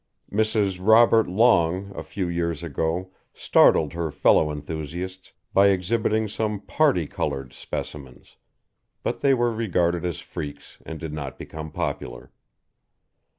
Mrs. Robert Long a few years ago startled her fellow enthusiasts by exhibiting some parti coloured specimens; but they were regarded as freaks, and did not become popular.